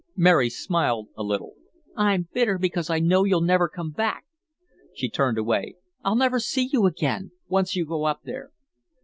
Mary smiled a little. "I'm bitter because I know you'll never come back." She turned away. "I'll never see you again, once you go up there."